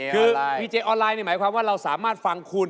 คือพีเจออนไลน์นี่หมายความว่าเราสามารถฟังคุณ